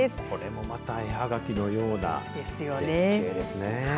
これもまた絵はがきのような絶景ですね。